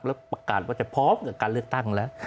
แล้วประกาศว่าจะพร้อมกับการเลือกตั้งแล้ว